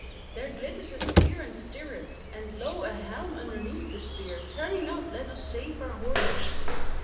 there glitters a spear and stirreth! and lo a helm underneath the spear: tarry not, let us save our horses!"